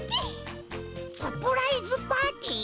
サプライズパーティー？